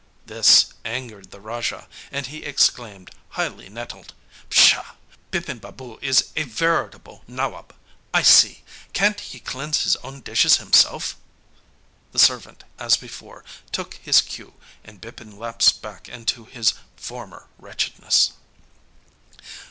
This angered the Raja, and he exclaimed, highly nettled: 'Pshaw! Bipin Babu is a veritable Nawab, I see! Can't he cleanse his own dishes himself?' The servant, as before, took his cue, and Bipin lapsed back into his former wretchedness.